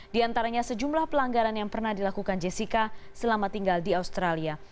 di antaranya sejumlah pelanggaran yang pernah dilakukan jessica selama tinggal di australia